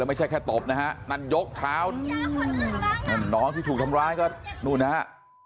ไม่ใช่แค่ตบนะฮะนั่นยกเท้านั่นน้องที่ถูกทำร้ายก็นู่นนะฮะ